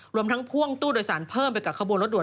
รวมทั้งพ่วงตู้โดยสารเพิ่มไปกับขบวนรถด่